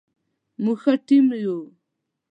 موږ ښه ټیم یو